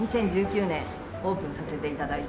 ２０１９年オープンさせて頂いて。